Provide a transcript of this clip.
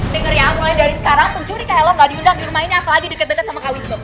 dengar ya aku lain dari sekarang pun curi kak helo gak diundang di rumah ini apalagi deket deket sama kawis tuh